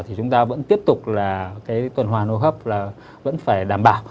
thì tiếp tục là cái tuần hoàn hô hấp là vẫn phải đảm bảo